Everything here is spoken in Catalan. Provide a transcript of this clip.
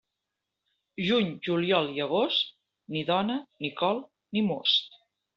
Juny, juliol i agost, ni dona, ni col ni most.